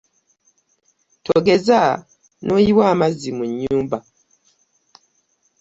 Togeza noyiwa amazzi u nyumba.